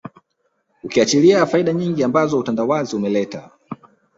Ukiachilia faida nyingi ambazo utandawazi umeleta